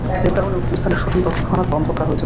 এর কারণে, উক্ত স্থানের শুটিং তৎক্ষণাৎ বন্ধ করা হয়েছিল।